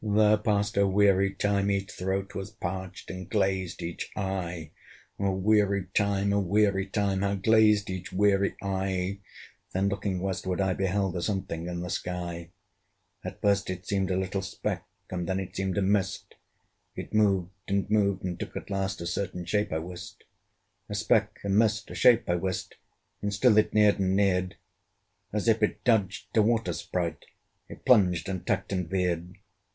There passed a weary time. Each throat Was parched, and glazed each eye. A weary time! a weary time! How glazed each weary eye, When looking westward, I beheld A something in the sky. At first it seemed a little speck, And then it seemed a mist: It moved and moved, and took at last A certain shape, I wist. A speck, a mist, a shape, I wist! And still it neared and neared: As if it dodged a water sprite, It plunged and tacked and veered.